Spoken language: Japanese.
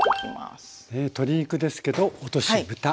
鶏肉ですけど落としぶた。